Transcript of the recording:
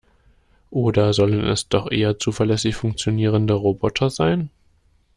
Oder sollen es doch eher zuverlässig funktionierende Roboter sein?